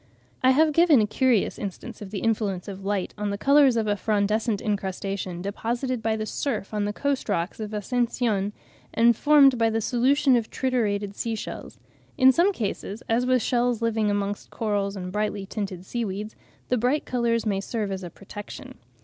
(4. I have given ('Geological Observations on Volcanic Islands,' 1844, p. 53) a curious instance of the influence of light on the colours of a frondescent incrustation, deposited by the surf on the coast rocks of Ascension and formed by the solution of triturated sea shells.) In some cases, as with shells living amongst corals or brightly tinted seaweeds, the bright colours may serve as a protection.